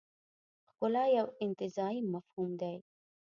ښکلا یو انتزاعي مفهوم دی.